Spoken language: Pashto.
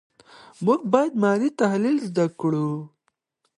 موږ باید مالي تحلیل زده کړو.